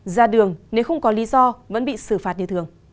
ra đường nếu không có lý do vẫn bị xử phạt như thường